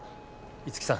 五木さん